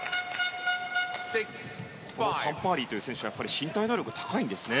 タン・パーリーという選手はやはり身体能力が高いんですね。